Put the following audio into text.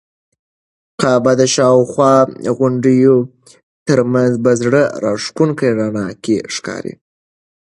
کعبه د شاوخوا غونډیو تر منځ په زړه راښکونکي رڼا کې ښکاري.